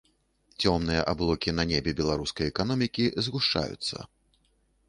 Цёмныя аблокі на небе беларускай эканомікі згушчаюцца.